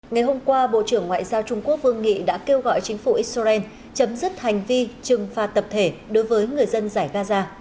ngày hôm qua bộ trưởng ngoại giao trung quốc vương nghị đã kêu gọi chính phủ israel chấm dứt hành vi trừng phạt tập thể đối với người dân giải gaza